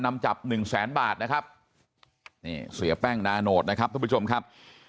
นำจับ๑แสนบาทนะครับเสียแป้งนาโนตนะครับพี่ชมครับ